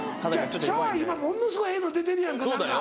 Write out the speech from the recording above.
シャワー今ものすごいええの出てるやんか何か。